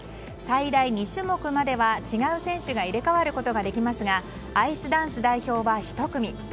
最大２種目までは違う選手が入れ替わることができますがアイスダンス代表は１組。